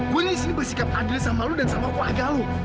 gue disini bersikap adil sama lo dan sama keluarga lo